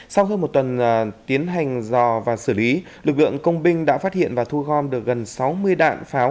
sau hơn một tuần tiến hành dò và xử lý lực lượng công binh đã phát hiện và thu gom được gần sáu mươi đạn pháo